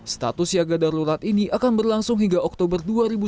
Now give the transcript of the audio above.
status siaga darurat ini akan berlangsung hingga oktober dua ribu dua puluh